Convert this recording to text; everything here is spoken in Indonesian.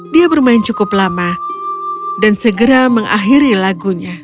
dia bermain cukup lama dan segera mengakhiri lagunya